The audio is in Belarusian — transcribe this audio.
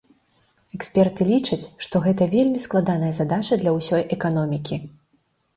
Эксперты лічаць, што гэта вельмі складаная задача для ўсёй эканомікі.